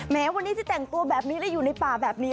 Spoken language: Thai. แม้วันนี้ที่แต่งตัวแบบนี้แล้วอยู่ในป่าแบบนี้